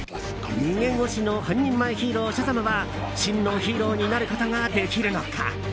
逃げ腰の半人前ヒーローシャザムは真のヒーローになることができるのか？